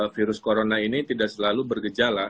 virus corona ini tidak selalu bergejala